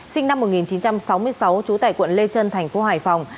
sinh năm một nghìn chín trăm sáu mươi sáu trú tại quận lê trân thành phố hải phòng